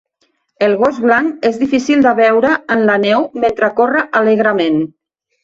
El gos blanc és difícil de veure en la neu mentre corre alegrement.